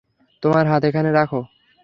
তোমার হাত এখানে রাখো।